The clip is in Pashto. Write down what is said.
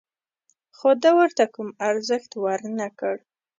خو ده ورته کوم ارزښت ور نه کړ.